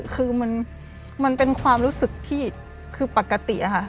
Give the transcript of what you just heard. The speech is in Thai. คือมันเป็นความรู้สึกที่คือปกติอะค่ะ